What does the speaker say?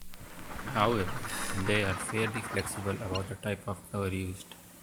However, they are fairly flexible about the type of cover used.